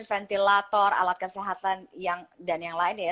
ventilator alat kesehatan dan yang lainnya